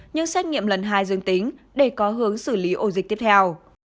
như xét nghiệm lần hai dương tính để có hướng xử lý ổ dịch tiếp theo